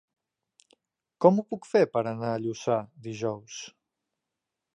Com ho puc fer per anar a Lluçà dijous?